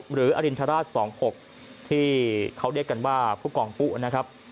หรืออรินทราช๒๖ที่เขาเรียกกันว่าผู้กองปุ๊นะครับ